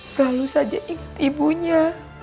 selalu saja ingat ibunya